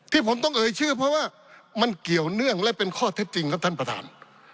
ที่ผมต้องเอ่ยชื่อเพราะว่ามันเกี่ยวเนื่องและเป็นข้อเท็จจริงครับท่านประธาน